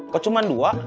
kok cuman dua